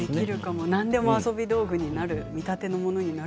何でも遊び道具になる見立てのものになる。